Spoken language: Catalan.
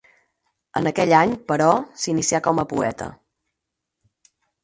En aquell any, però, s'inicià com a poeta.